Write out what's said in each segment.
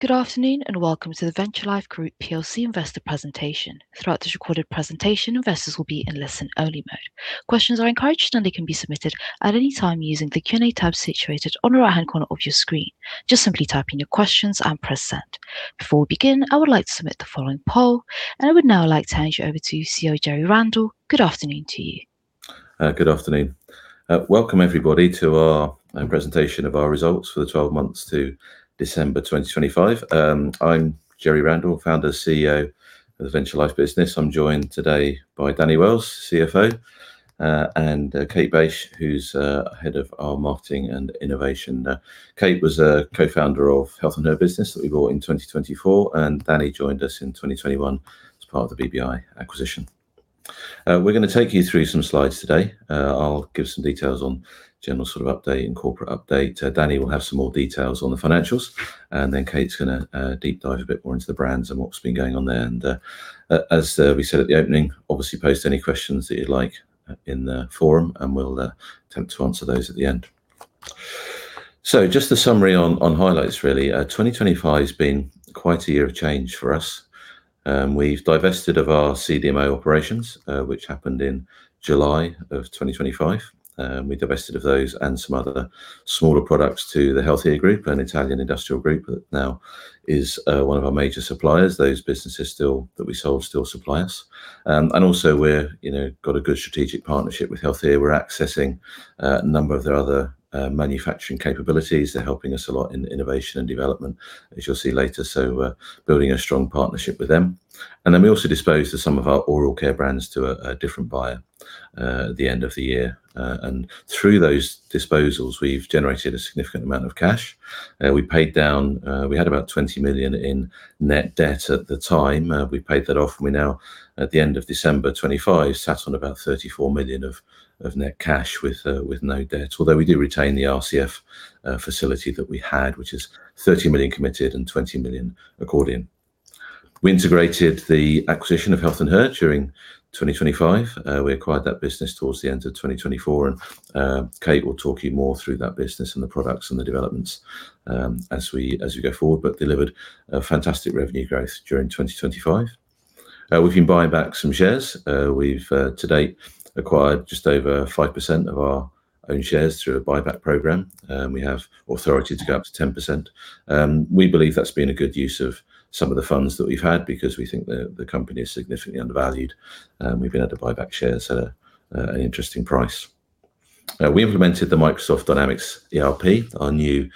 Good afternoon and welcome to the Venture Life Group PLC investor presentation. Throughout this recorded presentation, investors will be in listen-only mode. Questions are encouraged, and they can be submitted at any time using the Q&A tab situated on the right-hand corner of your screen. Just simply type in your questions and press send. Before we begin, I would like to submit the following poll, and I would now like to hand you over to CEO Jerry Randall. Good afternoon to you. Good afternoon. Welcome everybody to our presentation of our results for the 12 months to December 2025. I'm Jerry Randall, Founder and CEO of the Venture Life business. I'm joined today by Danny Wells, CFO, and Kate Bache, who's Head of our Marketing and Innovation. Kate was a Co-founder of Health & Her business that we bought in 2024, and Danny joined us in 2021 as part of the BBI acquisition. We're gonna take you through some slides today. I'll give some details on general sort of update and corporate update. Danny will have some more details on the financials, and then Kate's gonna deep dive a bit more into the brands and what's been going on there. As we said at the opening, obviously post any questions that you'd like in the forum, and we'll attempt to answer those at the end. Just a summary on highlights really. 2025 has been quite a year of change for us. We've divested of our CDMO operations, which happened in July of 2025. We divested of those and some other smaller products to the Healthea Group, an Italian industrial group that now is one of our major suppliers. Those businesses that we sold still supply us. We're you know got a good strategic partnership with Healthea. We're accessing a number of their other manufacturing capabilities. They're helping us a lot in innovation and development as you'll see later. Building a strong partnership with them. We also disposed of some of our oral care brands to a different buyer at the end of the year. Through those disposals, we've generated a significant amount of cash. We paid down. We had about 20 million in net debt at the time. We paid that off, and we now, at the end of December 2025, sat on about 34 million of net cash with no debt. Although we do retain the RCF facility that we had, which is 30 million committed and 20 million accordion. We integrated the acquisition of Health & Her during 2025. We acquired that business towards the end of 2024 and, Kate will talk you more through that business and the products and the developments, as we go forward, but delivered a fantastic revenue growth during 2025. We've been buying back some shares. We've to date, acquired just over 5% of our own shares through a buyback program. We have authority to go up to 10%. We believe that's been a good use of some of the funds that we've had because we think the company is significantly undervalued, and we've been able to buy back shares at an interesting price. We implemented the Microsoft Dynamics ERP, our new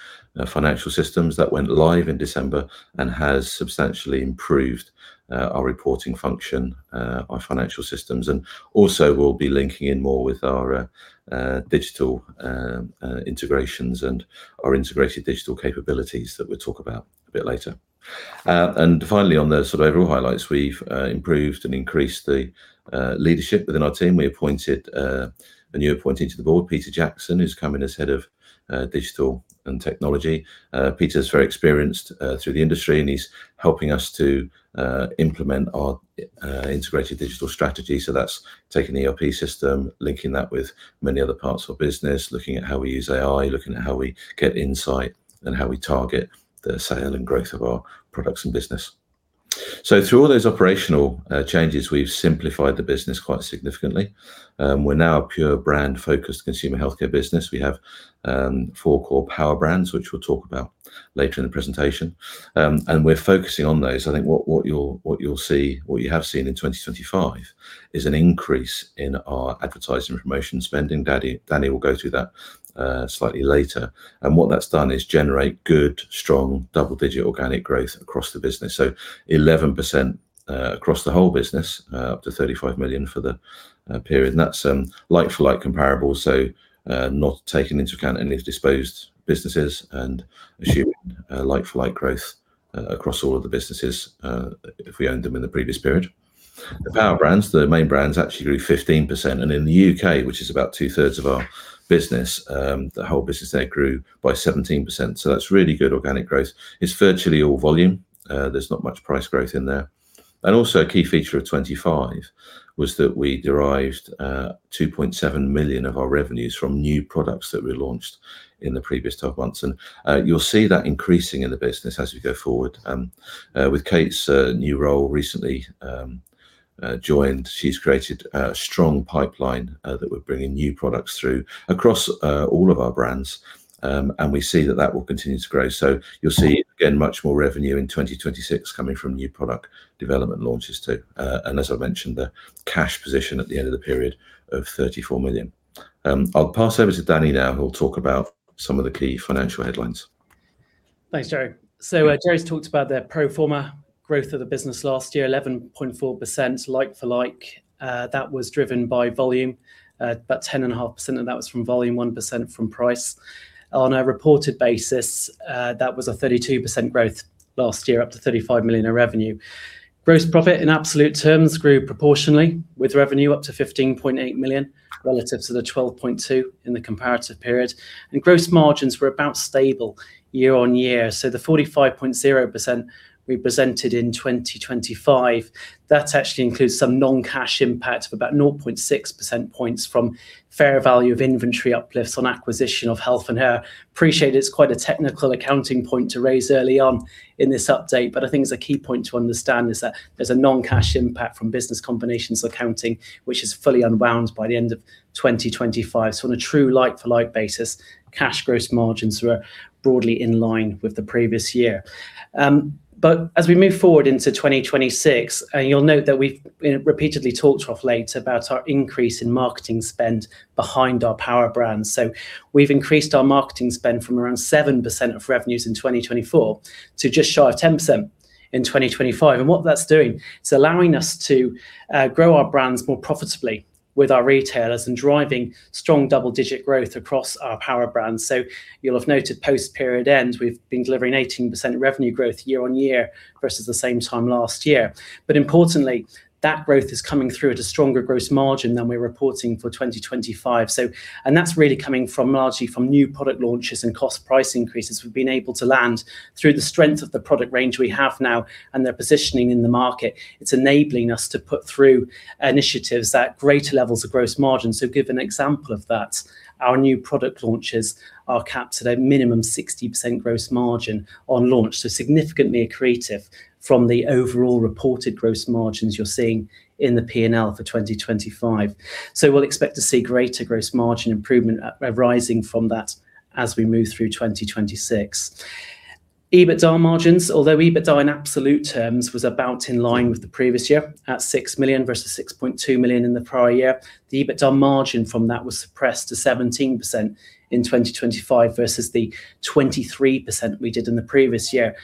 financial systems that went live in December and has substantially improved our reporting function, our financial systems. We'll be linking in more with our digital integrations and our integrated digital capabilities that we'll talk about a bit later. Finally on the sort of overall highlights, we've improved and increased the leadership within our team. We appointed a new appointee to the board, Peter Jackson, who's coming as head of digital and technology. Peter's very experienced throughout the industry, and he's helping us to implement our integrated digital strategy. That's taking the ERP system, linking that with many other parts of our business, looking at how we use AI, looking at how we get insight, and how we target the sale and growth of our products and business. Through all those operational changes, we've simplified the business quite significantly. We're now a pure brand-focused consumer healthcare business. We have four core power brands, which we'll talk about later in the presentation. We're focusing on those. I think what you'll see, what you have seen in 2025 is an increase in our advertising promotion spending. Danny will go through that slightly later. What that's done is generate good, strong, double-digit organic growth across the business. Eleven percent across the whole business up to 35 million for the period. That's like-for-like comparable, so not taking into account any of disposed businesses and assuming like-for-like growth across all of the businesses if we owned them in the previous period. The power brands, the main brands actually grew 15%. In the U.K., which is about two-thirds of our business, the whole business there grew by 17%. That's really good organic growth. It's virtually all volume. There's not much price growth in there. A key feature of 2025 was that we derived 2.7 million of our revenues from new products that we launched in the previous twelve months. You'll see that increasing in the business as we go forward. With Kate's new role recently joined, she's created a strong pipeline that we're bringing new products through across all of our brands. We see that will continue to grow. You'll see, again, much more revenue in 2026 coming from new product development launches too. As I mentioned, the cash position at the end of the period of 34 million. I'll pass over to Danny now, who will talk about some of the key financial headlines. Thanks, Jerry. Jerry's talked about the pro forma. Growth of the business last year, 11.4% like-for-like. That was driven by volume, about 10.5% of that was from volume, 1% from price. On a reported basis, that was a 32% growth last year, up to 35 million in revenue. Gross profit in absolute terms grew proportionally with revenue up to 15.8 million relative to the 12.2 million in the comparative period. Gross margins were about stable year-on-year. The 45.0% we presented in 2025 actually includes some non-cash impact of about 0.6 percentage points from fair value of inventory uplifts on acquisition of Health & Her. appreciate it's quite a technical accounting point to raise early on in this update, but I think it's a key point to understand is that there's a non-cash impact from business combinations accounting, which is fully unwound by the end of 2025. On a true like-for-like basis, cash gross margins were broadly in line with the previous year. As we move forward into 2026, and you'll note that we've repeatedly talked of late about our increase in marketing spend behind our power brands. We've increased our marketing spend from around 7% of revenues in 2024 to just short of 10% in 2025. What that's doing is allowing us to grow our brands more profitably with our retailers and driving strong double-digit growth across our power brands. You'll have noted post-period end, we've been delivering 18% revenue growth year-on-year versus the same time last year. Importantly, that growth is coming through at a stronger gross margin than we're reporting for 2025. And that's really coming from largely new product launches and cost price increases we've been able to land through the strength of the product range we have now and their positioning in the market. It's enabling us to put through initiatives at greater levels of gross margin. To give an example of that, our new product launches are capped at a minimum 60% gross margin on launch. Significantly accretive from the overall reported gross margins you're seeing in the P&L for 2025. We'll expect to see greater gross margin improvement arising from that as we move through 2026. EBITDA margins, although EBITDA in absolute terms was about in line with the previous year at 6 million versus 6.2 million in the prior year, the EBITDA margin from that was suppressed to 17% in 2025 versus the 23% we did in the previous year.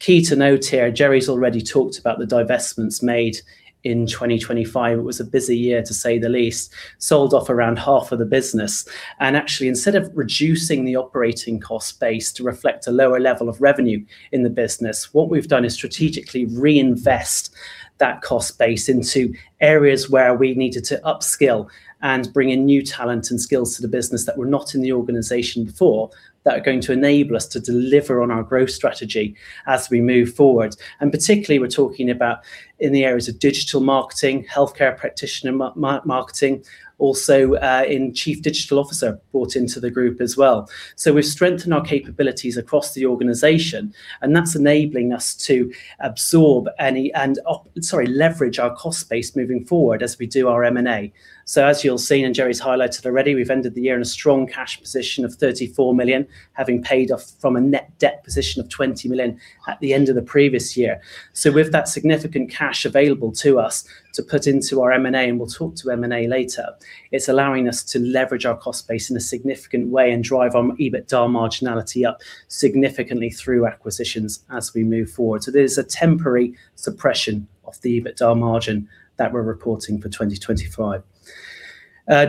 Key to note here, Jerry's already talked about the divestments made in 2025. It was a busy year to say the least. Sold off around half of the business. Actually, instead of reducing the operating cost base to reflect a lower level of revenue in the business, what we've done is strategically reinvest that cost base into areas where we needed to upskill and bring in new talent and skills to the business that were not in the organization before that are going to enable us to deliver on our growth strategy as we move forward. Particularly, we're talking about in the areas of digital marketing, healthcare practitioner marketing, also, in Chief Digital Officer brought into the group as well. We've strengthened our capabilities across the organization, and that's enabling us to leverage our cost base moving forward as we do our M&A. As you've seen, and Jerry's highlighted already, we've ended the year in a strong cash position of 34 million, having paid off from a net debt position of 20 million at the end of the previous year. With that significant cash available to us to put into our M&A, and we'll talk to M&A later, it's allowing us to leverage our cost base in a significant way and drive our EBITDA marginality up significantly through acquisitions as we move forward. There's a temporary suppression of the EBITDA margin that we're reporting for 2025.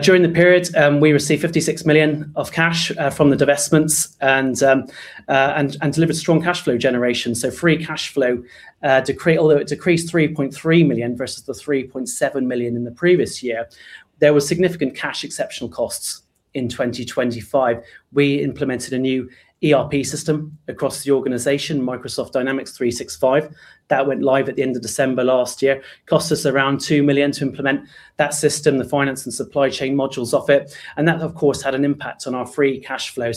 During the period, we received 56 million of cash from the divestments and delivered strong cash flow generation. Free cash flow, although it decreased 3.3 million versus the 3.7 million in the previous year, there were significant cash exceptional costs in 2025. We implemented a new ERP system across the organization, Microsoft Dynamics 365. That went live at the end of December last year. Cost us around 2 million to implement that system, the finance and supply chain modules of it. That of course had an impact on our free cash flow.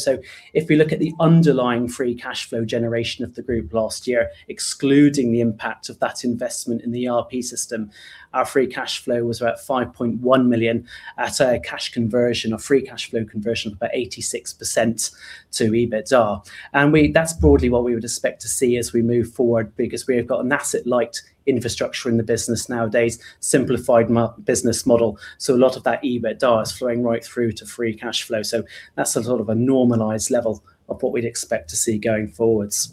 If we look at the underlying free cash flow generation of the group last year, excluding the impact of that investment in the ERP system, our free cash flow was about 5.1 million at a cash conversion, a free cash flow conversion of about 86% to EBITDA. That's broadly what we would expect to see as we move forward because we have got an asset-light infrastructure in the business nowadays, simplified business model. A lot of that EBITDA is flowing right through to free cash flow. That's a sort of a normalized level of what we'd expect to see going forwards.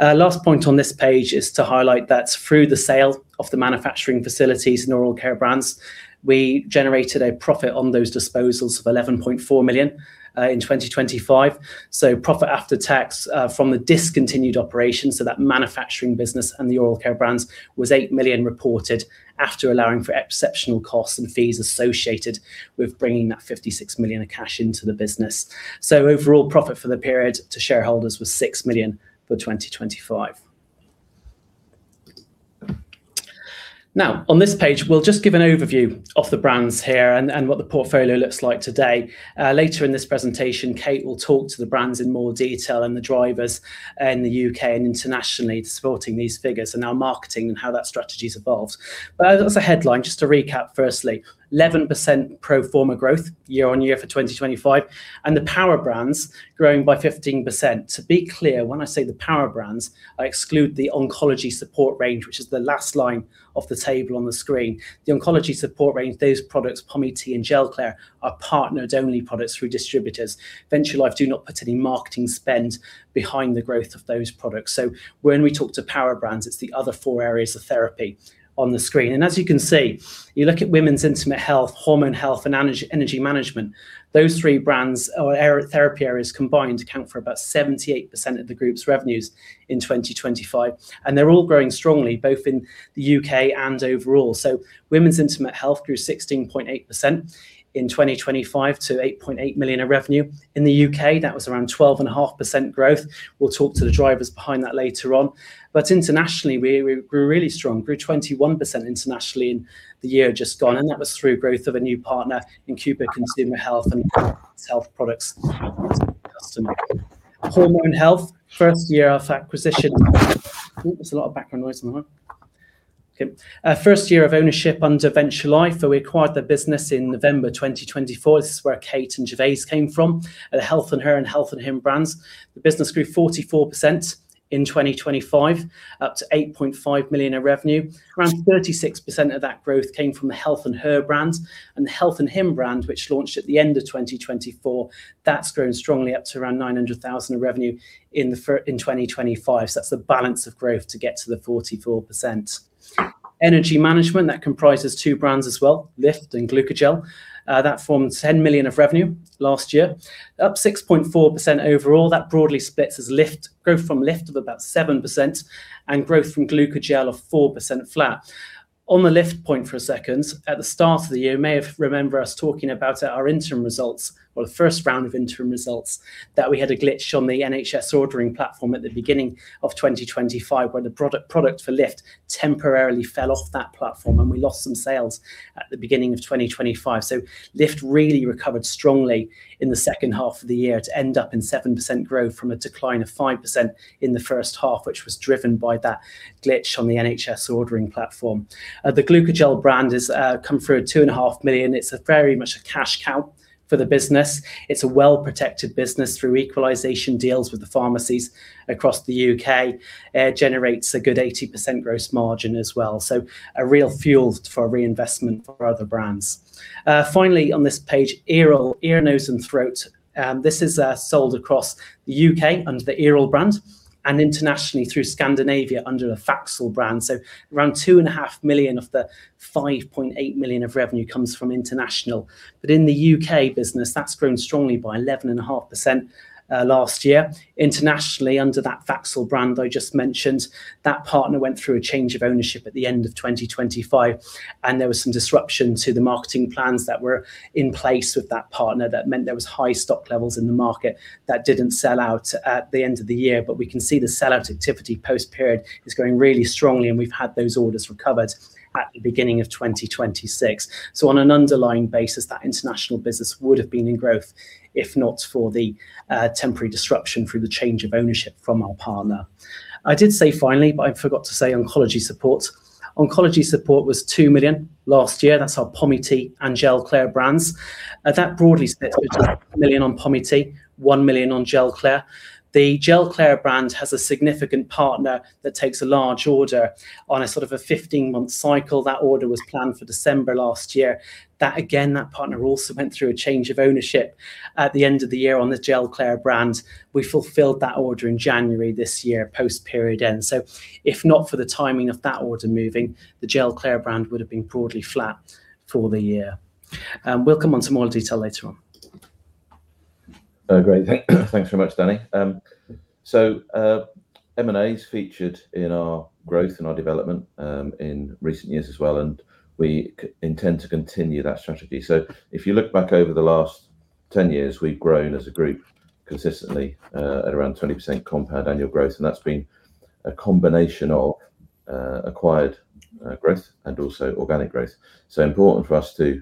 Last point on this page is to highlight that through the sale of the manufacturing facilities and oral care brands, we generated a profit on those disposals of 11.4 million in 2025. Profit after tax from the discontinued operations, that manufacturing business and the oral care brands, was 8 million reported after allowing for exceptional costs and fees associated with bringing that 56 million of cash into the business. Overall profit for the period to shareholders was 6 million for 2025. Now on this page we'll just give an overview of the brands here and what the portfolio looks like today. Later in this presentation, Kate will talk to the brands in more detail and the drivers in the U.K. and internationally supporting these figures and our marketing and how that strategy's evolved. As a headline, just to recap firstly, 11% pro forma growth year-on-year for 2025, and the power brands growing by 15%. To be clear, when I say the power brands, I exclude the oncology support range, which is the last line of the table on the screen. The oncology support range, those products, Pomi-T and Gelclair, are partnered only products through distributors. Venture Life do not put any marketing spend behind the growth of those products. When we talk to power brands, it's the other four areas of therapy on the screen. As you can see, you look at women's intimate health, hormone health and energy management. Those three brands or therapy areas combined account for about 78% of the group's revenues in 2025, and they're all growing strongly both in the U.K. and overall. Women's intimate health grew 16.8% in 2025 to 8.8 million in revenue. In the U.K., that was around 12.5% growth. We'll talk to the drivers behind that later on. Internationally, we grew really strong, 21% internationally in the year just gone, and that was through growth of a new partner in Cooper Consumer Health and health products customer, hormone health first year of acquisition. First year of ownership under Venture Life, so we acquired the business in November 2024. This is where Kate and Gervase came from. The Health & Her and Health & Him brands. The business grew 44% in 2025, up to 8.5 million in revenue. Around 36% of that growth came from the Health & Her brand. The Health & Him brand, which launched at the end of 2024, that's grown strongly up to around 900,000 in revenue in 2025. That's the balance of growth to get to the 44%. Energy management, that comprises two brands as well, Lift and Glucogel. That was 10 million of revenue last year, up 6.4% overall. That broadly splits as growth from Lift of about 7% and growth from Glucogel of 4% flat. On the Lift point for a second, at the start of the year, you may have remember us talking about at our interim results or the first round of interim results, that we had a glitch on the NHS ordering platform at the beginning of 2025, where the product for Lift temporarily fell off that platform and we lost some sales at the beginning of 2025. Lift really recovered strongly in the second half of the year to end up in 7% growth from a decline of 5% in the first half, which was driven by that glitch on the NHS ordering platform. The Glucogel brand has come through at 2.5 million. It's a very much a cash cow for the business. It's a well-protected business through equalization deals with the pharmacies across the U.K. Generates a good 80% gross margin as well. A real fuel for reinvestment for other brands. Finally on this page, ENT, ear, nose and throat. This is sold across the U.K. under the ENT brand and internationally through Scandinavia under the Vaxol brand. Around 2.5 million of the 5.8 million of revenue comes from international. In the U.K. business, that's grown strongly by 11.5% last year. Internationally, under that Vaxol brand I just mentioned, that partner went through a change of ownership at the end of 2025, and there was some disruption to the marketing plans that were in place with that partner that meant there was high stock levels in the market that didn't sell out at the end of the year. We can see the sellout activity post-period is going really strongly, and we've had those orders recovered at the beginning of 2026. On an underlying basis, that international business would have been in growth if not for the temporary disruption through the change of ownership from our partner. I did say finally, but I forgot to say oncology support. Oncology support was 2 million last year. That's our Pomi-T and Gelclair brands. That broadly splits 1 million on Pomi-T, 1 million on Gelclair. The Gelclair brand has a significant partner that takes a large order on a sort of a 15-month cycle. That order was planned for December last year. That partner also went through a change of ownership at the end of the year on the Gelclair brand. We fulfilled that order in January this year, post period end. If not for the timing of that order moving, the Gelclair brand would have been broadly flat for the year. We'll come on to more detail later on. Oh, great. Thanks very much, Danny. M&A is featured in our growth and our development in recent years as well, and we intend to continue that strategy. If you look back over the last 10 years, we've grown as a group consistently at around 20% compound annual growth. That's been a combination of acquired growth and also organic growth. Important for us to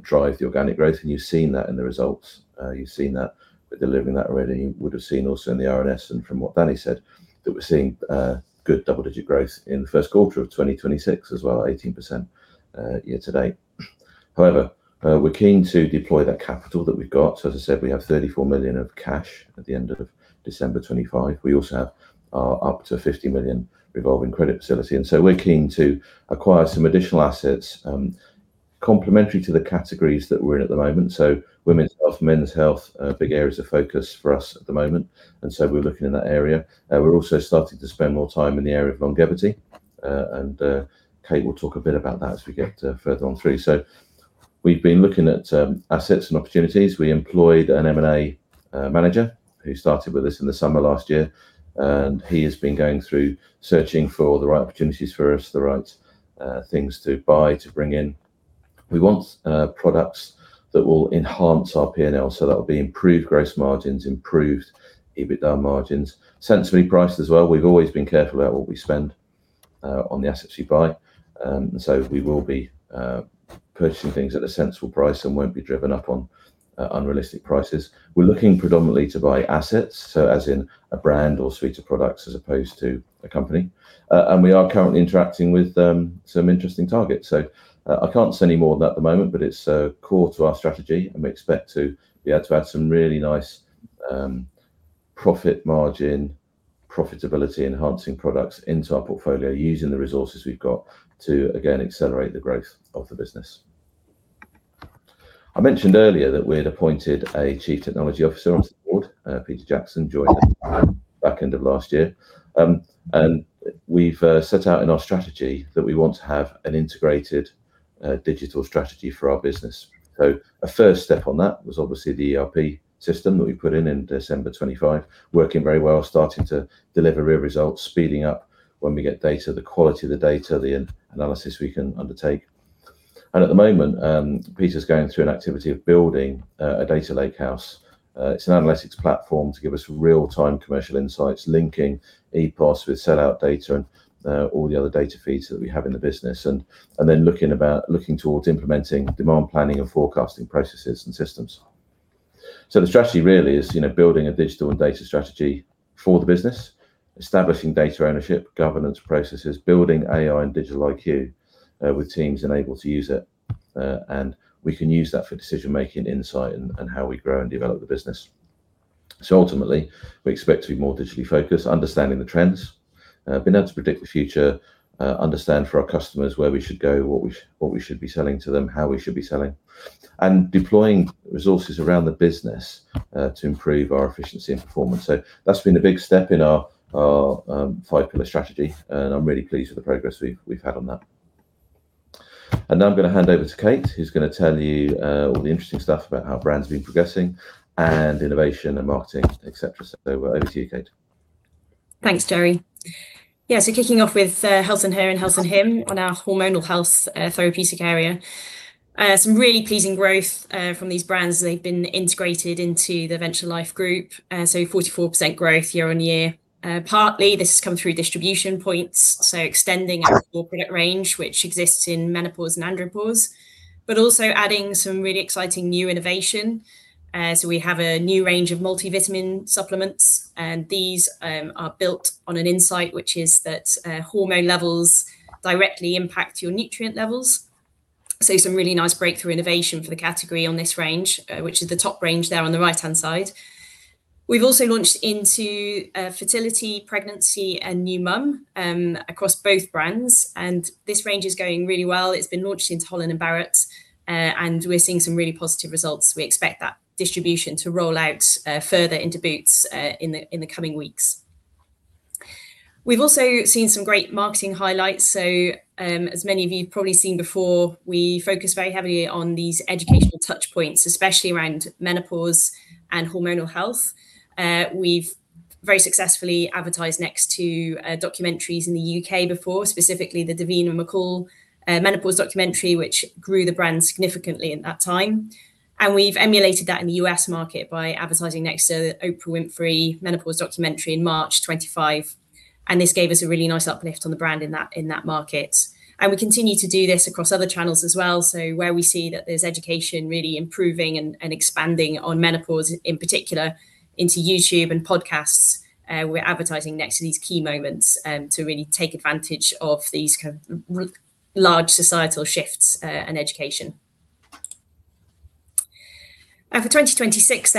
drive the organic growth, and you've seen that in the results. You've seen that we're delivering that already. You would have seen also in the RNS and from what Danny said, that we're seeing good double-digit growth in the first quarter of 2026 as well, 18% year to date. However, we're keen to deploy that capital that we've got. As I said, we have 34 million of cash at the end of December 2025. We also have our up to 50 million revolving credit facility. We're keen to acquire some additional assets, complementary to the categories that we're in at the moment. Women's health, men's health are big areas of focus for us at the moment, and so we're looking in that area. We're also starting to spend more time in the area of longevity, and Kate will talk a bit about that as we get further on through. We've been looking at assets and opportunities. We employed an M&A manager who started with us in the summer last year, and he has been going through searching for the right opportunities for us, the right things to buy, to bring in. We want products that will enhance our P&L, so that'll be improved gross margins, improved EBITDA margins. Sensibly priced as well. We've always been careful about what we spend on the assets you buy, and so we will be purchasing things at a sensible price and won't be driven up on unrealistic prices. We're looking predominantly to buy assets, so as in a brand or suite of products as opposed to a company. We are currently interacting with some interesting targets. I can't say any more than that at the moment, but it's core to our strategy, and we expect to be able to add some really nice profit margin, profitability-enhancing products into our portfolio using the resources we've got to, again, accelerate the growth of the business. I mentioned earlier that we'd appointed a Chief Technology Officer onto the board. Peter Jackson joined us back end of last year. And we've set out in our strategy that we want to have an integrated digital strategy for our business. A first step on that was obviously the ERP system that we put in in December 2025, working very well, starting to deliver real results, speeding up when we get data, the quality of the data, the analysis we can undertake. At the moment, Peter's going through an activity of building a data lakehouse. It's an analytics platform to give us real-time commercial insights, linking EPOS with sell-out data and all the other data feeds that we have in the business and then looking towards implementing demand planning and forecasting processes and systems. The strategy really is, you know, building a digital and data strategy for the business, establishing data ownership, governance processes, building AI and digital IQ with teams then able to use it. And we can use that for decision-making, insight, and how we grow and develop the business. Ultimately, we expect to be more digitally focused, understanding the trends, being able to predict the future, understand for our customers where we should go, what we should be selling to them, how we should be selling, and deploying resources around the business, to improve our efficiency and performance. That's been a big step in our five-pillar strategy, and I'm really pleased with the progress we've had on that. Now I'm gonna hand over to Kate, who's gonna tell you all the interesting stuff about how our brand's been progressing and innovation and marketing, et cetera. Over to you, Kate. Thanks, Jerry. Yeah, kicking off with Health & Her and Health & Him on our hormonal health therapeutic area. Some really pleasing growth from these brands as they've been integrated into the Venture Life Group. 44% growth year-on-year. Partly this has come through distribution points, extending our corporate range, which exists in menopause and andropause. Also adding some really exciting new innovation. We have a new range of multivitamin supplements, and these are built on an insight which is that hormone levels directly impact your nutrient levels. Some really nice breakthrough innovation for the category on this range, which is the top range there on the right-hand side. We've also launched into fertility, pregnancy, and new mum across both brands, and this range is going really well. It's been launched into Holland & Barrett and we're seeing some really positive results. We expect that distribution to roll out further into Boots in the coming weeks. We've also seen some great marketing highlights, so as many of you have probably seen before, we focus very heavily on these educational touchpoints, especially around menopause and hormonal health. We've very successfully advertised next to documentaries in the U.K. before, specifically the Davina McCall menopause documentary, which grew the brand significantly in that time. We've emulated that in the U.S. market by advertising next to the Oprah Winfrey menopause documentary in March 2025, and this gave us a really nice uplift on the brand in that market. We continue to do this across other channels as well, so where we see that there's education really improving and expanding on menopause in particular into YouTube and podcasts, we're advertising next to these key moments, to really take advantage of these kind of large societal shifts, in education. For 2026,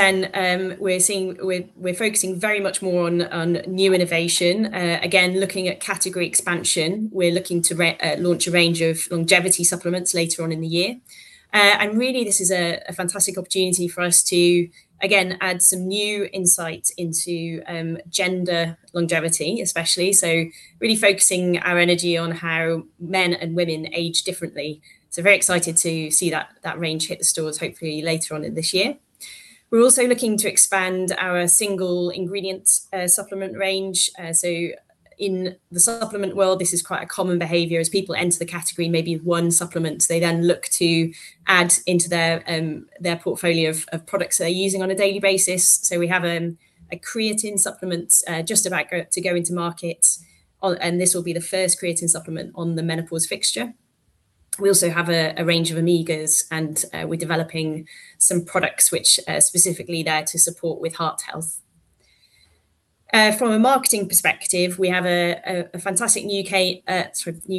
we're focusing very much more on new innovation. Again, looking at category expansion, we're looking to launch a range of longevity supplements later on in the year. And really this is a fantastic opportunity for us to, again, add some new insight into gender longevity especially. Really focusing our energy on how men and women age differently. Very excited to see that range hit the stores hopefully later on in this year. We're also looking to expand our single ingredient supplement range. In the supplement world, this is quite a common behavior. As people enter the category, maybe one supplement they then look to add into their their portfolio of products they're using on a daily basis. We have a creatine supplement just about to go into market. This will be the first creatine supplement on the menopause fixture. We also have a range of omegas and we're developing some products which are specifically there to support with heart health. From a marketing perspective, we have a fantastic new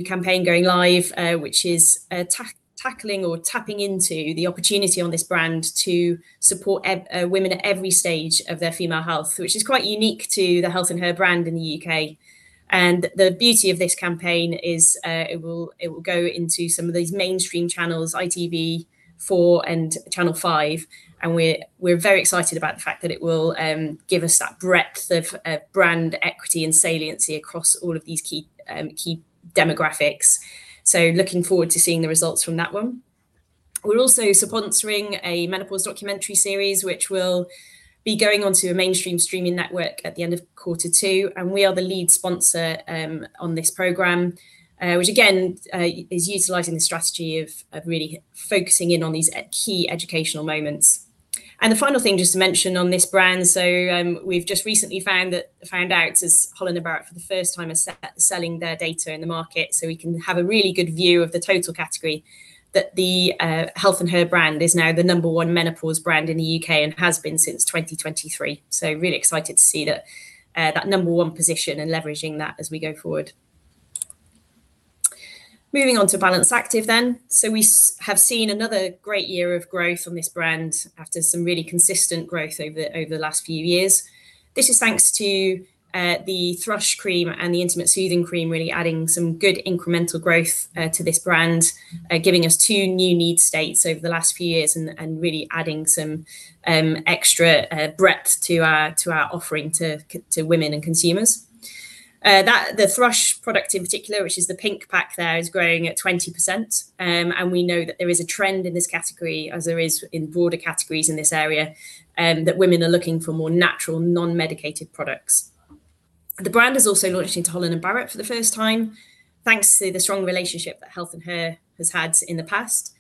campaign going live, which is tackling or tapping into the opportunity on this brand to support women at every stage of their female health, which is quite unique to the Health & Her brand in the UK. The beauty of this campaign is it will go into some of these mainstream channels, ITV, Channel 4, and Channel 5, and we're very excited about the fact that it will give us that breadth of brand equity and saliency across all of these key demographics. Looking forward to seeing the results from that one. We're also sponsoring a menopause documentary series, which will be going onto a mainstream streaming network at the end of quarter two, and we are the lead sponsor on this program, which again is utilizing the strategy of really focusing in on these key educational moments. The final thing just to mention on this brand, so we've just recently found out, as Holland & Barrett for the first time are selling their data in the market, so we can have a really good view of the total category, that the Health & Her brand is now the number one menopause brand in the U.K. and has been since 2023. Really excited to see that number one position and leveraging that as we go forward. Moving on to Balance Activ then. We have seen another great year of growth on this brand after some really consistent growth over the last few years. This is thanks to the thrush cream and the intimate soothing cream really adding some good incremental growth to this brand, giving us two new need states over the last few years and really adding some extra breadth to our offering to women and consumers. The thrush product in particular, which is the pink pack there, is growing at 20%. We know that there is a trend in this category as there is in broader categories in this area, that women are looking for more natural, non-medicated products. The brand has also launched into Holland & Barrett for the first time, thanks to the strong relationship that Health & Her has had in the past.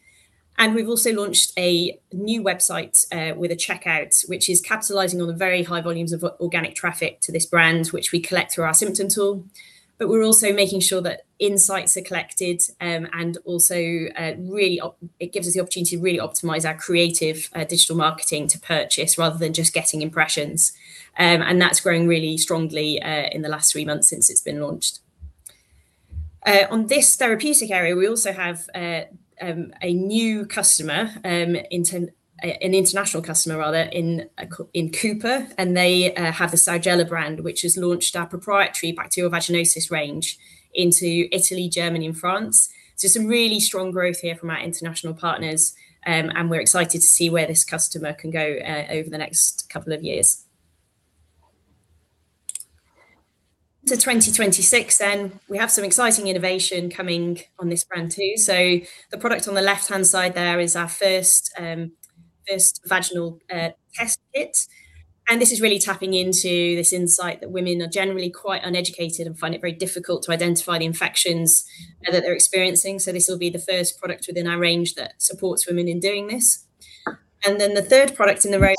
We've also launched a new website with a checkout, which is capitalizing on the very high volumes of organic traffic to this brand, which we collect through our symptom tool. We're also making sure that insights are collected, and also really it gives us the opportunity to really optimize our creative digital marketing to purchase rather than just getting impressions. That's growing really strongly in the last three months since it's been launched. On this therapeutic area, we also have a new customer, an international customer rather in Cooper, and they have the Saugella brand, which has launched our proprietary bacterial vaginosis range into Italy, Germany and France. Some really strong growth here from our international partners, and we're excited to see where this customer can go over the next couple of years. To 2026, we have some exciting innovation coming on this brand too. The product on the left-hand side there is our first vaginal test kit, and this is really tapping into this insight that women are generally quite uneducated and find it very difficult to identify the infections that they're experiencing. This will be the first product within our range that supports women in doing this. The third product in the range,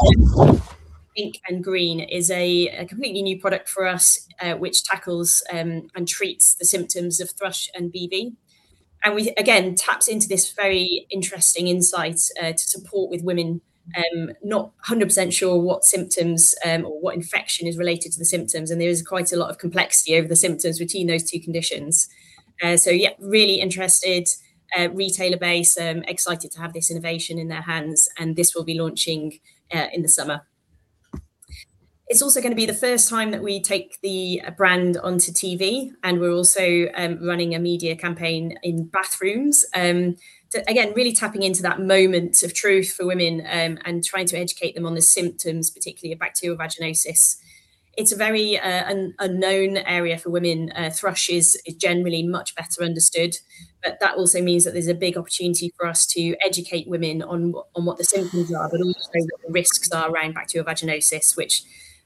pink and green, is a completely new product for us, which tackles and treats the symptoms of thrush and BV. We again tap into this very interesting insight to support women not 100% sure what symptoms or what infection is related to the symptoms. There is quite a lot of complexity over the symptoms between those two conditions. Yeah, the really interested retailer base is excited to have this innovation in their hands, and this will be launching in the summer. It's also gonna be the first time that we take the brand onto TV, and we're also running a media campaign in bathrooms to, again, really tapping into that moment of truth for women and trying to educate them on the symptoms, particularly of bacterial vaginosis. It's a very unknown area for women. Thrush is generally much better understood, but that also means that there's a big opportunity for us to educate women on what the symptoms are, but also what the risks are around bacterial vaginosis, which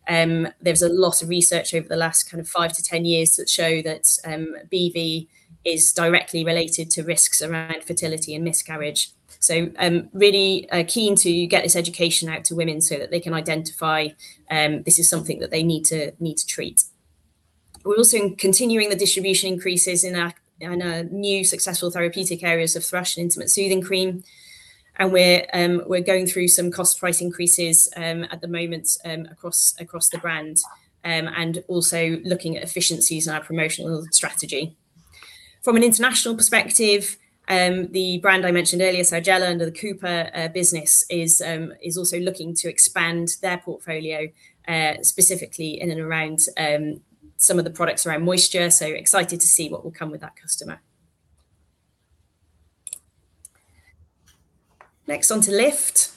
there's a lot of research over the last kind of 5-10 years that show that BV is directly related to risks around fertility and miscarriage. Really keen to get this education out to women so that they can identify this is something that they need to treat. We're also continuing the distribution increases in our new successful therapeutic areas of thrush and intimate soothing cream, and we're going through some cost price increases at the moment across the brand, and also looking at efficiencies in our promotional strategy. From an international perspective, the brand I mentioned earlier, Saugella, under the Cooper business, is also looking to expand their portfolio specifically in and around some of the products around moisture. Excited to see what will come with that customer. Next on to Lift.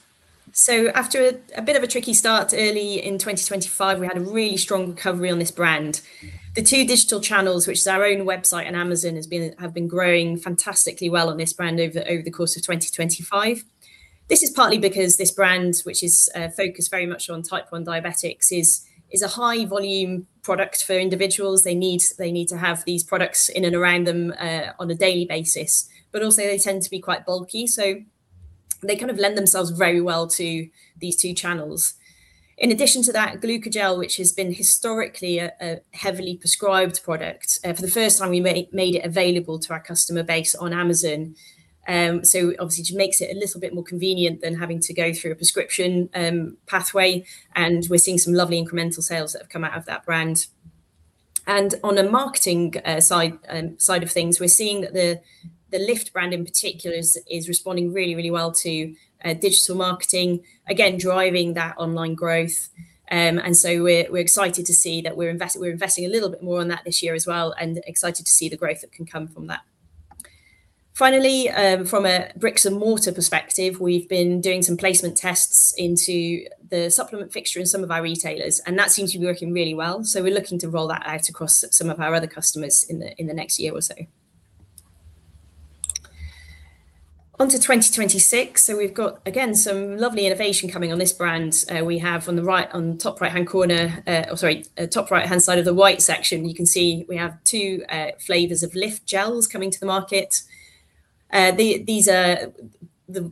After a bit of a tricky start early in 2025, we had a really strong recovery on this brand. The two digital channels, which is our own website and Amazon, have been growing fantastically well on this brand over the course of 2025. This is partly because this brand, which is focused very much on type 1 diabetics, is a high volume product for individuals. They need to have these products in and around them on a daily basis. But also they tend to be quite bulky, so they kind of lend themselves very well to these two channels. In addition to that, Glucogel, which has been historically a heavily prescribed product, for the first time we made it available to our customer base on Amazon. Obviously just makes it a little bit more convenient than having to go through a prescription pathway, and we're seeing some lovely incremental sales that have come out of that brand. On a marketing side of things, we're seeing that the Lift brand in particular is responding really well to digital marketing, again driving that online growth. We're excited to see that we're investing a little bit more on that this year as well and excited to see the growth that can come from that. Finally, from a bricks and mortar perspective, we've been doing some placement tests into the supplement fixture in some of our retailers, and that seems to be working really well. We're looking to roll that out across some of our other customers in the next year or so onto 2026. We've got, again, some lovely innovation coming on this brand. We have on the top right-hand side of the white section, you can see we have 2 flavors of Lift gels coming to the market. The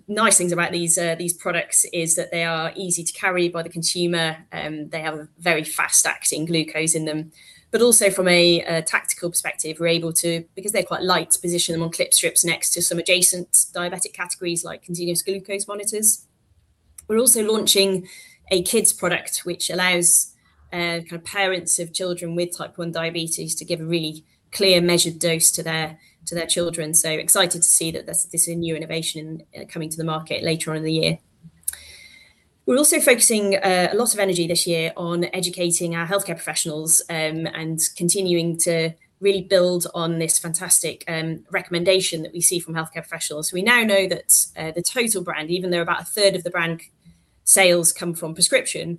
nice things about these products is that they are easy to carry by the consumer, they have very fast-acting glucose in them. But also from a tactical perspective, we're able to, because they're quite light, position them on clip strips next to some adjacent diabetic categories like continuous glucose monitors. We're also launching a kids product, which allows kind of parents of children with type 1 diabetes to give a really clear measured dose to their children. I'm excited to see that this is a new innovation coming to the market later on in the year. We're also focusing a lot of energy this year on educating our healthcare professionals and continuing to really build on this fantastic recommendation that we see from healthcare professionals. We now know that the total brand, even though about a third of the brand sales come from prescription,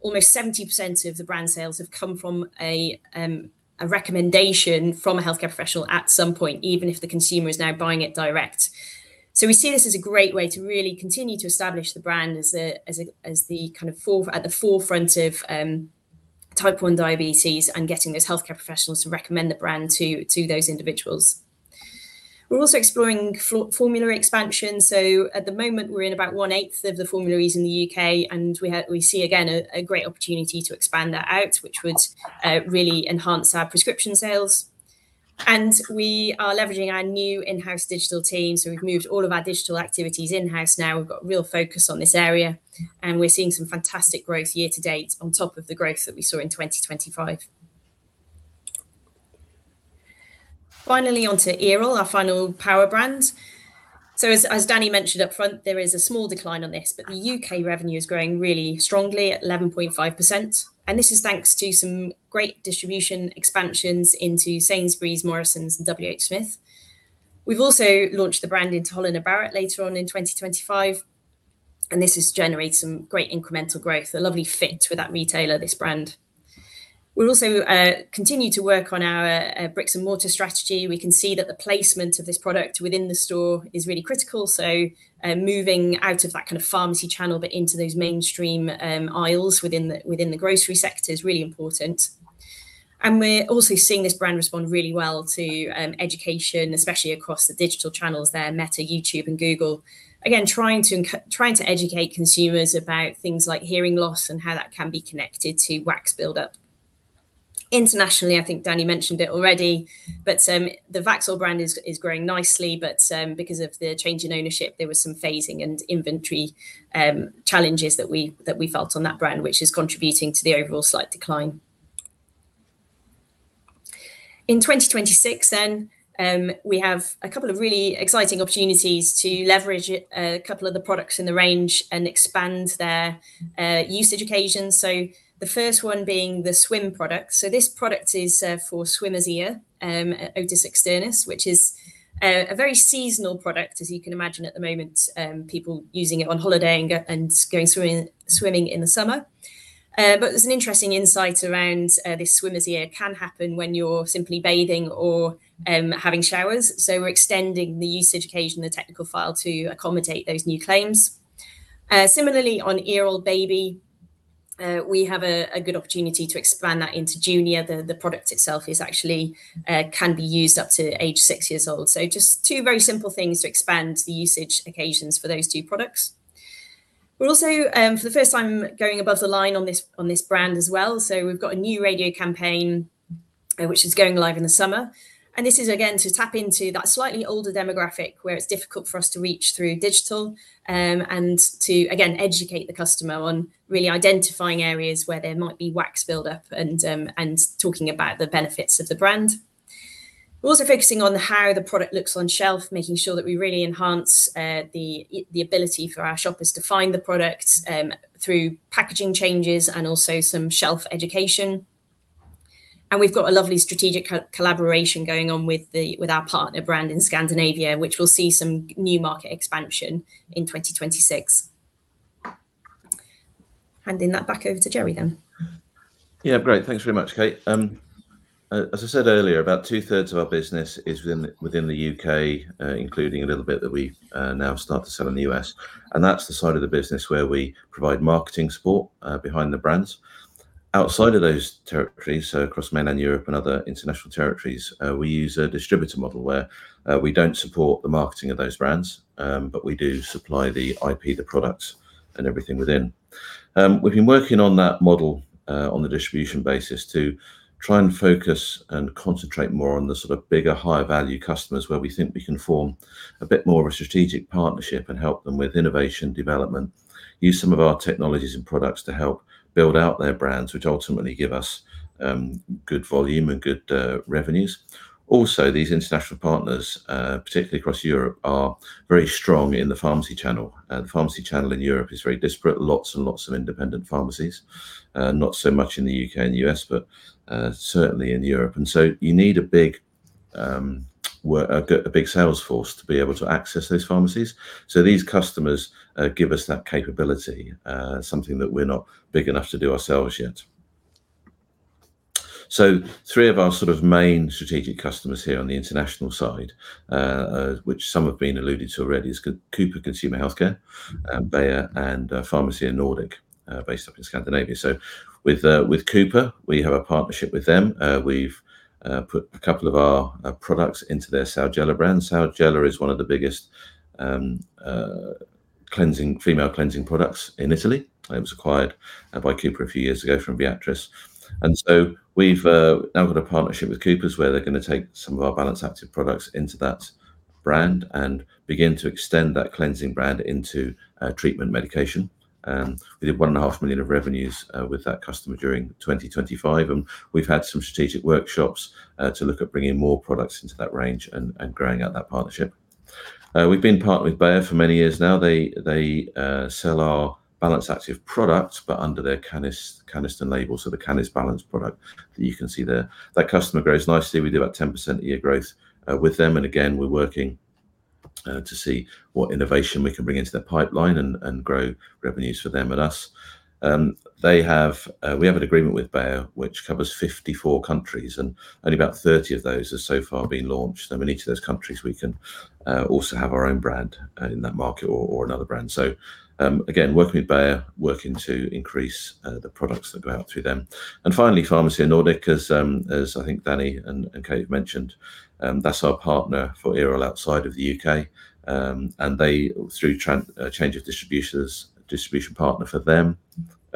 almost 70% of the brand sales have come from a recommendation from a healthcare professional at some point, even if the consumer is now buying it direct. We see this as a great way to really continue to establish the brand as the forefront of type 1 diabetes and getting those healthcare professionals to recommend the brand to those individuals. We're also exploring formulary expansion. At the moment, we're in about one-eighth of the formularies in the U.K., and we see again a great opportunity to expand that out, which would really enhance our prescription sales. We are leveraging our new in-house digital team, so we've moved all of our digital activities in-house now. We've got real focus on this area, and we're seeing some fantastic growth year to date on top of the growth that we saw in 2025. Finally, onto Earol, our final power brand. As Danny mentioned up front, there is a small decline on this, but the U.K. revenue is growing really strongly at 11.5%, and this is thanks to some great distribution expansions into Sainsbury's, Morrisons, and WHSmith. We've also launched the brand into Holland & Barrett later on in 2025, and this has generated some great incremental growth, a lovely fit with that retailer, this brand. We'll also continue to work on our bricks and mortar strategy. We can see that the placement of this product within the store is really critical, so moving out of that kind of pharmacy channel, but into those mainstream aisles within the grocery sector is really important. We're also seeing this brand respond really well to education, especially across the digital channels there, Meta, YouTube and Google. Again, trying to educate consumers about things like hearing loss and how that can be connected to wax buildup. Internationally, I think Danny mentioned it already, but the Vaxol brand is growing nicely, but because of the change in ownership, there was some phasing and inventory challenges that we felt on that brand, which is contributing to the overall slight decline. In 2026, we have a couple of really exciting opportunities to leverage a couple of the products in the range and expand their usage occasions. The first one being the swim product. This product is for swimmer's ear, otitis externa, which is a very seasonal product, as you can imagine at the moment, people using it on holiday and going swimming in the summer. There's an interesting insight around this swimmer's ear can happen when you're simply bathing or having showers, so we're extending the usage occasion, the technical file to accommodate those new claims. Similarly on Baby Earol, we have a good opportunity to expand that into junior. The product itself is actually can be used up to age six years old. Just two very simple things to expand the usage occasions for those two products. We're also for the first time, going above the line on this brand as well. We've got a new radio campaign, which is going live in the summer, and this is again to tap into that slightly older demographic where it's difficult for us to reach through digital, and to again educate the customer on really identifying areas where there might be wax buildup and talking about the benefits of the brand. We're also focusing on how the product looks on shelf, making sure that we really enhance the ability for our shoppers to find the product through packaging changes and also some shelf education. We've got a lovely strategic co-collaboration going on with our partner brand in Scandinavia, which we'll see some new market expansion in 2026. Handing that back over to Jerry then. Yeah, great. Thanks very much, Kate. As I said earlier, about two-thirds of our business is within the U.K., including a little bit that we've now started to sell in the U.S., and that's the side of the business where we provide marketing support behind the brands. Outside of those territories, so across mainland Europe and other international territories, we use a distributor model where we don't support the marketing of those brands, but we do supply the IP, the products and everything within. We've been working on that model on the distribution basis to try and focus and concentrate more on the sort of bigger, higher value customers where we think we can form a bit more of a strategic partnership and help them with innovation development, use some of our technologies and products to help build out their brands, which ultimately give us good volume and good revenues. Also, these international partners, particularly across Europe, are very strong in the pharmacy channel. The pharmacy channel in Europe is very disparate. Lots and lots of independent pharmacies. Not so much in the U.K. and U.S., but certainly in Europe. You need a big sales force to be able to access those pharmacies. These customers give us that capability, something that we're not big enough to do ourselves yet. Three of our sort of main strategic customers here on the international side, which some have been alluded to already, is Cooper Consumer Health, Bayer, and Pharma Nord, based up in Scandinavia. With Cooper, we have a partnership with them. We've put a couple of our products into their Saugella brand. Saugella is one of the biggest female cleansing products in Italy. It was acquired by Cooper a few years ago from Viatris. We've now got a partnership with Cooper where they're gonna take some of our Balance Activ products into that brand and begin to extend that cleansing brand into treatment medication. We did 1.5 million of revenues with that customer during 2025, and we've had some strategic workshops to look at bringing more products into that range and growing out that partnership. We've been partnered with Bayer for many years now. They sell our Balance Activ product, but under their Canesten label, so the CanesBalance product that you can see there. That customer grows nicely. We do about 10% a year growth with them. Again, we're working to see what innovation we can bring into their pipeline and grow revenues for them and us. We have an agreement with Bayer which covers 54 countries, and only about 30 of those have so far been launched. In each of those countries, we can also have our own brand in that market or another brand. Again, working with Bayer, working to increase the products that go out through them. Finally, Pharma Nord, as I think Danny and Kate mentioned, that's our partner for Earol outside of the UK. They, through change of distribution partner for them,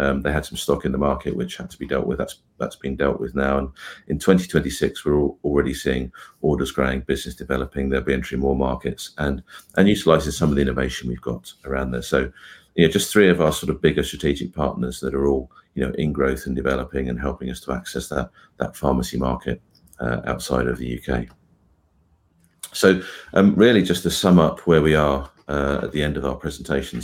had some stock in the market which had to be dealt with. That's been dealt with now. In 2026, we're already seeing orders growing, business developing. They'll be entering more markets and utilizing some of the innovation we've got around there. You know, just three of our sort of bigger strategic partners that are all, you know, in growth and developing and helping us to access that pharmacy market outside of the U.K. Really just to sum up where we are at the end of our presentation.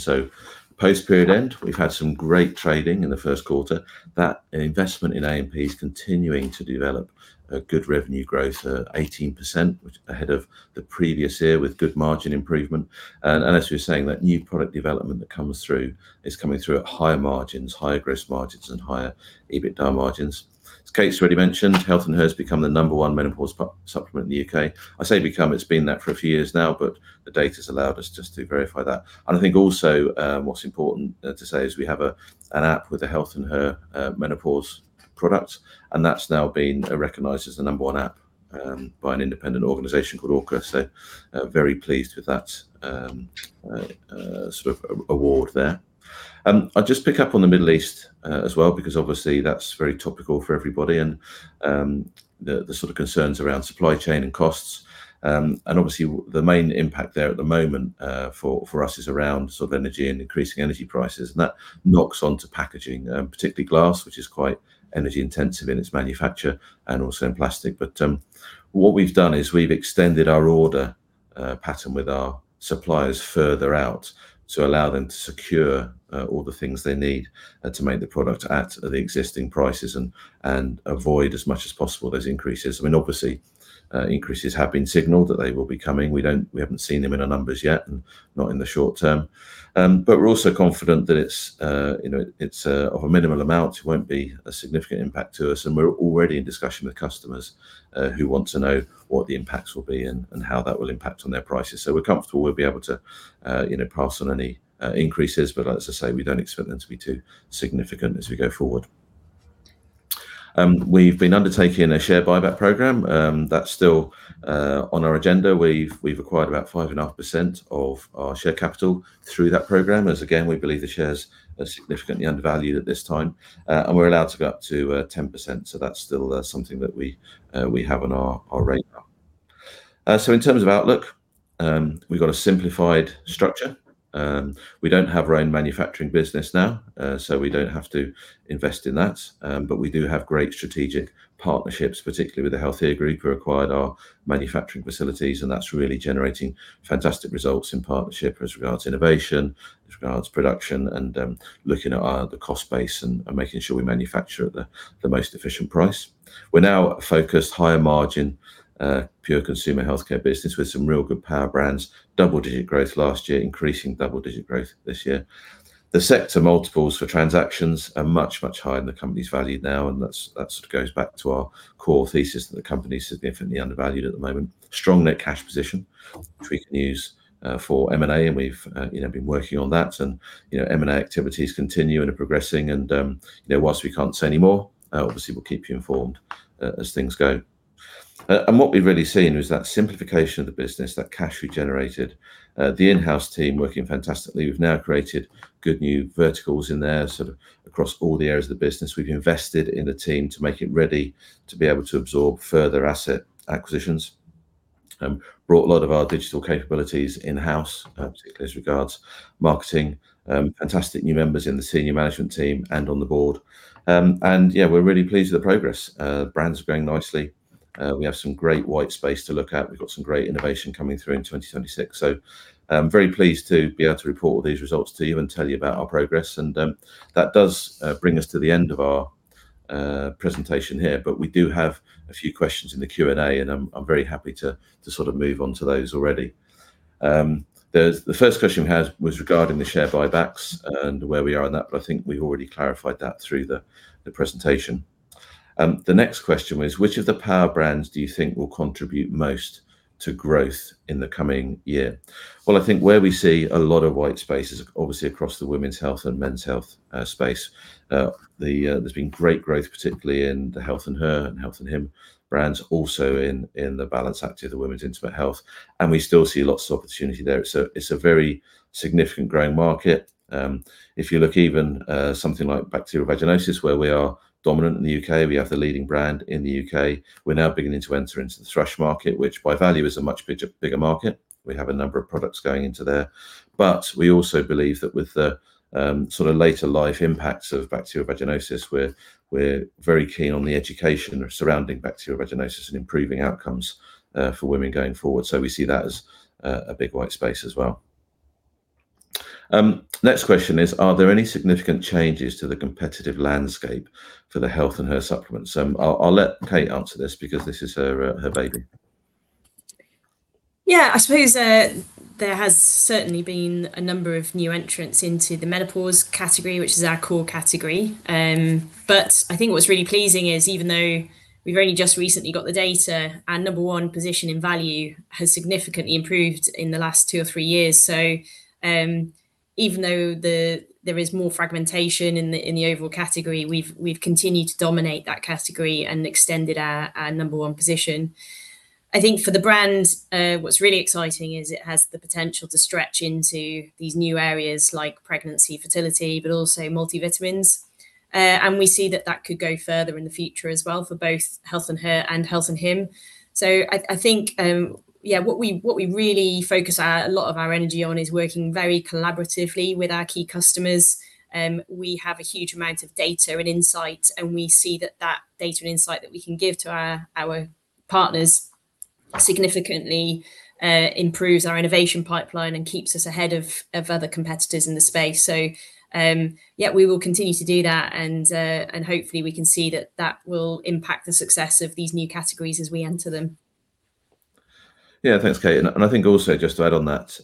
Post-period end, we've had some great trading in the first quarter. That investment in A&P is continuing to develop a good revenue growth 18% ahead of the previous year with good margin improvement. As we were saying, that new product development that comes through is coming through at higher margins, higher gross margins and higher EBITDA margins. As Kate's already mentioned, Health & Her has become the number one menopause supplement in the U.K. I say become, it's been that for a few years now, but the data's allowed us just to verify that. I think also, what's important to say is we have an app with a Health & Her menopause product, and that's now been recognized as the number one app by an independent organization called ORCA. Very pleased with that sort of award there. I'll just pick up on the Middle East as well, because obviously that's very topical for everybody and the sort of concerns around supply chain and costs. Obviously the main impact there at the moment for us is around sort of energy and increasing energy prices. That knocks onto packaging, particularly glass, which is quite energy intensive in its manufacture and also in plastic. What we've done is we've extended our order pattern with our suppliers further out to allow them to secure all the things they need to make the product at the existing prices and avoid as much as possible those increases. I mean, obviously, increases have been signaled that they will be coming. We haven't seen them in our numbers yet, and not in the short term. We're also confident that it's, you know, it's of a minimal amount. It won't be a significant impact to us, and we're already in discussion with customers who want to know what the impacts will be and how that will impact on their prices. We're comfortable we'll be able to, you know, pass on any increases. As I say, we don't expect them to be too significant as we go forward. We've been undertaking a share buyback program. That's still on our agenda. We've acquired about 5.5% of our share capital through that program, as again, we believe the shares are significantly undervalued at this time. We're allowed to go up to 10%. That's still something that we have on our radar. In terms of outlook, we've got a simplified structure. We don't have our own manufacturing business now, so we don't have to invest in that. We do have great strategic partnerships, particularly with the Healthea Group who acquired our manufacturing facilities, and that's really generating fantastic results in partnership as regards innovation, as regards production and looking at the cost base and making sure we manufacture at the most efficient price. We're now a focused higher margin pure consumer healthcare business with some real good power brands. Double-digit growth last year, increasing double-digit growth this year. The sector multiples for transactions are much, much higher than the company's valued now, and that sort of goes back to our core thesis that the company is significantly undervalued at the moment. Strong net cash position, which we can use for M&A, and we've you know been working on that and you know M&A activities continue and are progressing and you know while we can't say any more, obviously we'll keep you informed as things go. What we've really seen is that simplification of the business, that cash we generated, the in-house team working fantastically. We've now created good new verticals in there, sort of across all the areas of the business. We've invested in a team to make it ready to be able to absorb further asset acquisitions. Brought a lot of our digital capabilities in-house, particularly as regards marketing. Fantastic new members in the senior management team and on the board. Yeah, we're really pleased with the progress. Brands are growing nicely. We have some great white space to look at. We've got some great innovation coming through in 2026. I'm very pleased to be able to report all these results to you and tell you about our progress. That does bring us to the end of our presentation here. We do have a few questions in the Q&A, and I'm very happy to sort of move on to those already. The first question we had was regarding the share buybacks and where we are on that, but I think we already clarified that through the presentation. The next question was. Which of the power brands do you think will contribute most to growth in the coming year? Well, I think where we see a lot of white space is obviously across the women's health and men's health space. There's been great growth, particularly in the Health & Her and Health & Him brands, also in the Balance Activ of the women's intimate health, and we still see lots of opportunity there. It's a very significant growing market. If you look even at something like bacterial vaginosis, where we are dominant in the U.K., we have the leading brand in the U.K. We're now beginning to enter into the thrush market, which by value is a much bigger market. We have a number of products going into there. We also believe that with the sort of later life impacts of bacterial vaginosis, we're very keen on the education surrounding bacterial vaginosis and improving outcomes for women going forward. We see that as a big white space as well. Next question is. Are there any significant changes to the competitive landscape for the Health & Her supplements? I'll let Kate answer this because this is her baby. Yeah. I suppose there has certainly been a number of new entrants into the menopause category, which is our core category. I think what's really pleasing is even though we've only just recently got the data, our number one position in value has significantly improved in the last two or three years. Even though there is more fragmentation in the overall category, we've continued to dominate that category and extended our number one position. I think for the brand, what's really exciting is it has the potential to stretch into these new areas like pregnancy, fertility, but also multivitamins. We see that could go further in the future as well for both Health & Her and Health & Him. I think what we really focus a lot of our energy on is working very collaboratively with our key customers. We have a huge amount of data and insight, and we see that data and insight that we can give to our partners significantly improves our innovation pipeline and keeps us ahead of other competitors in the space. We will continue to do that and hopefully we can see that will impact the success of these new categories as we enter them. Yeah. Thanks, Kate. I think also just to add on that,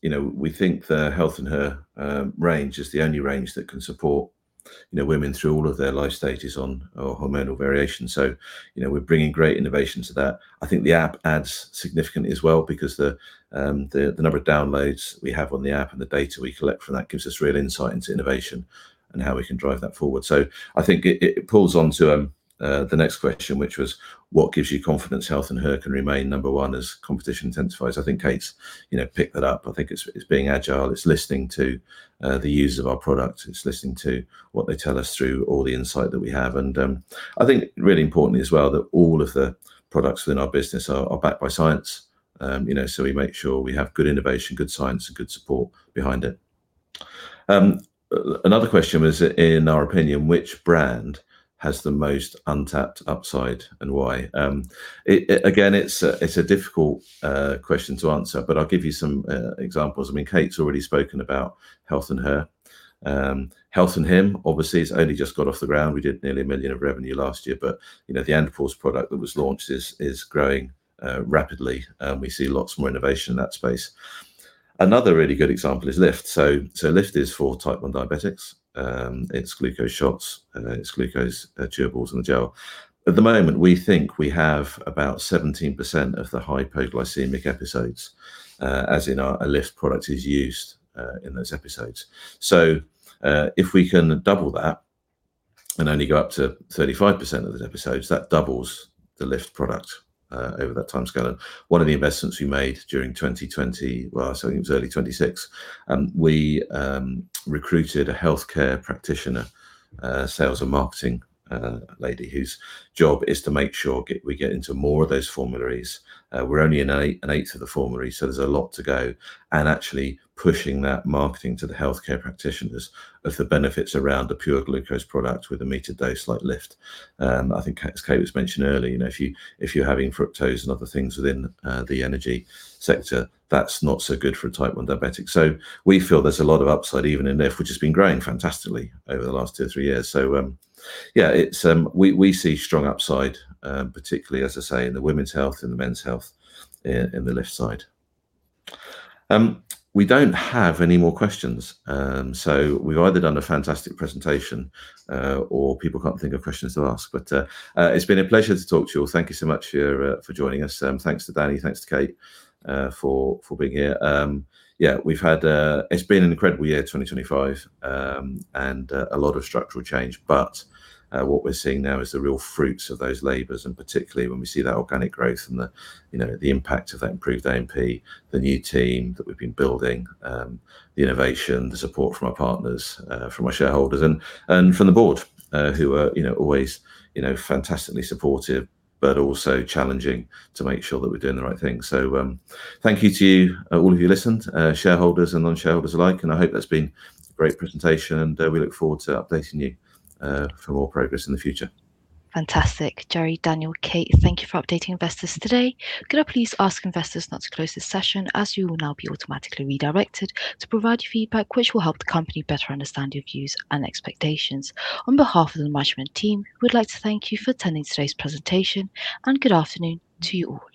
you know, we think the Health & Her range is the only range that can support, you know, women through all of their life stages or hormonal variation. You know, we're bringing great innovation to that. I think the app adds significantly as well because the number of downloads we have on the app and the data we collect from that gives us real insight into innovation and how we can drive that forward. I think it pulls on to the next question, which was: What gives you confidence Health & Her can remain number one as competition intensifies? I think Kate's, you know, picked that up. I think it's being agile. It's listening to the users of our products. It's listening to what they tell us through all the insight that we have. I think really importantly as well, that all of the products within our business are backed by science. You know, we make sure we have good innovation, good science, and good support behind it. Another question was. In our opinion, which brand has the most untapped upside and why? Again, it's a difficult question to answer, but I'll give you some examples. I mean, Kate's already spoken about Health & Her. Health & Him, obviously has only just got off the ground. We did nearly 1 million of revenue last year, but, you know, the Andropause product that was launched is growing rapidly, and we see lots more innovation in that space. Another really good example is Lift. Lift is for Type 1 diabetics. It's glucose shots, chewables and a gel. At the moment, we think we have about 17% of the hypoglycemic episodes as in our Lift product is used in those episodes. If we can double that and only go up to 35% of those episodes, that doubles the Lift product over that timescale. One of the investments we made. Well, I think it was early 2026, we recruited a healthcare practitioner sales and marketing lady whose job is to make sure we get into more of those formularies. We're only in an eighth of the formulary, so there's a lot to go. Actually pushing that marketing to the healthcare practitioners of the benefits around a pure glucose product with a metered dose like Lift. I think Kate has mentioned earlier, you know, if you're having fructose and other things within the energy sector, that's not so good for a Type 1 diabetic. We feel there's a lot of upside even in Lift, which has been growing fantastically over the last 2 or 3 years. We see strong upside, particularly, as I say, in the women's health and the men's health, in the Lift side. We don't have any more questions. We've either done a fantastic presentation, or people can't think of questions to ask. It's been a pleasure to talk to you all. Thank you so much for joining us. Thanks to Danny, thanks to Kate, for being here. It's been an incredible year, 2025, and a lot of structural change. What we're seeing now is the real fruits of those labors, and particularly when we see that organic growth and you know the impact of that improved A&P, the new team that we've been building, the innovation, the support from our partners, from our shareholders and from the board, who are you know always you know fantastically supportive, but also challenging to make sure that we're doing the right thing. Thank you to all of you listening, shareholders and non-shareholders alike, and I hope that's been a great presentation, and we look forward to updating you for more progress in the future. Fantastic. Jerry, Daniel, Kate, thank you for updating investors today. Could I please ask investors not to close this session, as you will now be automatically redirected to provide your feedback, which will help the company better understand your views and expectations. On behalf of the management team, we'd like to thank you for attending today's presentation, and good afternoon to you all.